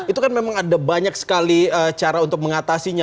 itu kan memang ada banyak sekali cara untuk mengatasinya